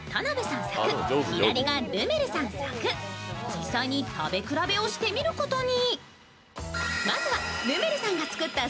実際に食べ比べをしてみることに。